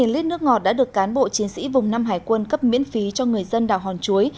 một mươi lít nước ngọt đã được cán bộ chiến sĩ vùng năm hải quân cấp miễn phí cho người dân đảo hòn chuối